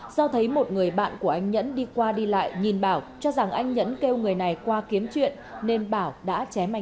do thấy một người bạn của anh nhẫn đi qua đi lại nhìn bảo cho rằng anh nhẫn kêu người này qua kiếm chuyện nên bảo đã chém anh